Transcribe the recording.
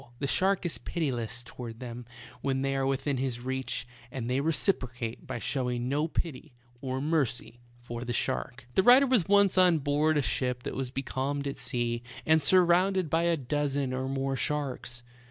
The shark is pitiless toward them when they are within his reach, and they recipro cate by showing no pity or mercy for the shark. The writer was once on board a ship that was becalmed at sea, and surrounded by a dozen or more sharks.